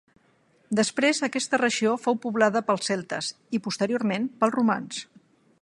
Després aquesta regió fou poblada pels celtes i posteriorment pels romans.